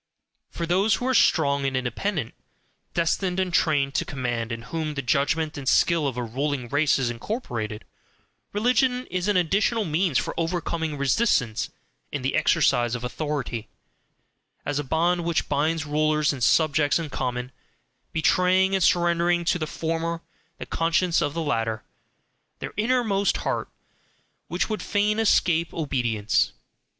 For those who are strong and independent, destined and trained to command, in whom the judgment and skill of a ruling race is incorporated, religion is an additional means for overcoming resistance in the exercise of authority as a bond which binds rulers and subjects in common, betraying and surrendering to the former the conscience of the latter, their inmost heart, which would fain escape obedience.